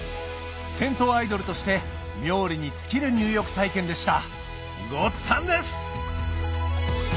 銭湯アイドルとして冥利に尽きる入浴体験でしたごっつあんです！